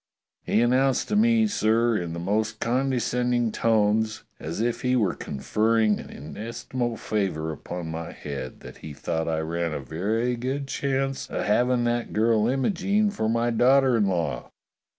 He an nounced to me, sir, in the most condescending tones, as if he were conferring an inestimable favour upon my head, that he thought I ran a very good chance of hav ing that girl Imogene for my daughter in law.